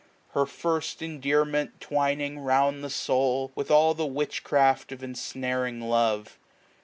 Her first endearments twining lound the soul. With all the witchcraft of ensnaring love.